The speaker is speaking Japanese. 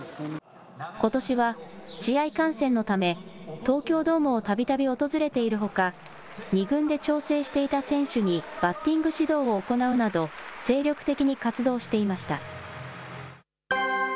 ことしは試合観戦のため東京ドームをたびたび訪れているほか、２軍で調整していた選手にバッティング指導を行うなど、精力的に活動していました。